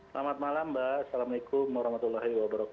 selamat malam mbak assalamualaikum wr wb